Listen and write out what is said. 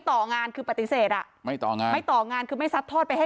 ต่องานคือปฏิเสธอ่ะไม่ต่องานไม่ต่องานคือไม่ซัดทอดไปให้